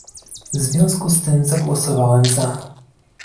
W związku z tym zagłosowałem za